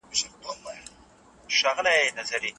او پوره صداقت.